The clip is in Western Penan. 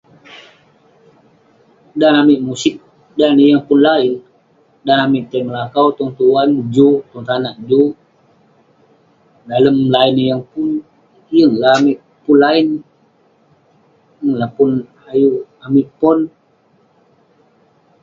Dan amik musit, dan neh yeng pun laa, dan amik tai melakau tong tuan juk tong tanak juk. Dalem line yeng pun, yeng lah amik pun line. Yeng laa pun ayuk amik pon.